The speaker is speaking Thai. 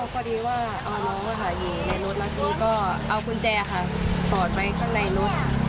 แล้วทีนี้ก็เอาขุนแจค่ะสอดไปข้างในนด